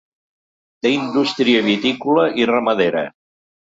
Té indústria vitícola i ramadera.